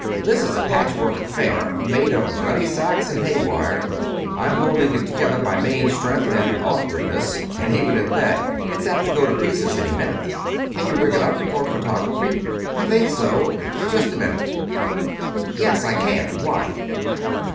"This is a patchwork affair, made of gunny sacks and hay wire. I'm holding it together by main strength and awkwardness, and even at that, it's apt to go to pieces any minute." "Can you rig it up for photography?" "I think so. Just a minute yes, I can. Why?"